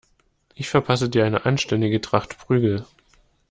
Ich verpasse dir eine anständige Tracht Prügel.